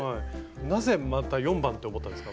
なぜまた４番って思ったんですか？